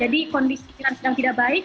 jadi kondisi iran sedang tidak baik